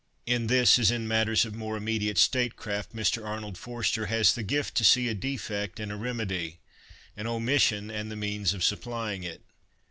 In this, as in matters of more immediate statecraft, Mr Arnold Forster has the gift to see a defect and a remedy, an omission and the means of supplying it.